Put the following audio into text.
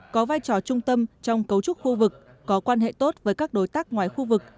có vai trò trung tâm trong cấu trúc khu vực có quan hệ tốt với các đối tác ngoài khu vực